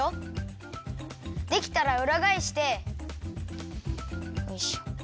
できたらうらがえしてよいしょ。